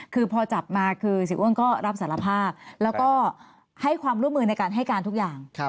คือพอจับมาคือเสียอ้วนก็รับสารภาพแล้วก็ให้ความร่วมมือในการให้การทุกอย่าง